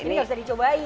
ini gak bisa dicobain